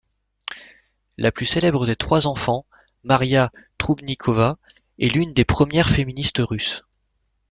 La plus célèbre des trois enfants, Maria Troubnikova est l'une des premières féministes russes.